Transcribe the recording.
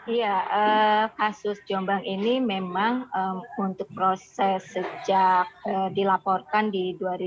iya kasus jombang ini memang untuk proses sejak dilaporkan di dua ribu dua puluh